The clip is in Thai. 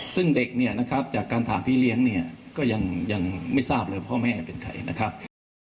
ซึ่งเด็กเนี่ยนะครับจากการถามพี่เลี้ยงเนี่ยก็ยังไม่ทราบเลยพ่อแม่เป็นใครนะครับ